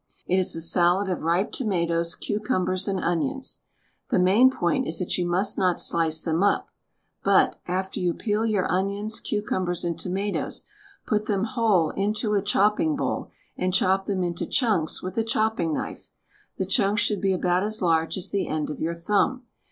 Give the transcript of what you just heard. It is a salad of ripe tomatoes, cucumbers and onions. The main point is that you must not slice them up but — after you peel your onions, cucumbers and tomatoes — put them whole into a chopping bowl, and chop them into chunks with a chopping knife. The chunks should be about as large as the end of your thumb.